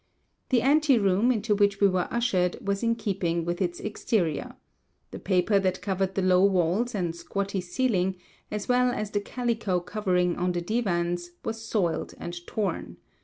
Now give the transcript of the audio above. The anteroom into which we were ushered was in keeping with its exterior. The paper that covered the low walls and squatty ceiling, as well as the calico covering on the divans, was soiled and torn.